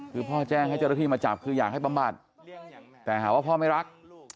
คือพ่อแจ้งให้เจ้าหน้าที่มาจับคืออยากให้บำบัดแต่หาว่าพ่อไม่รัก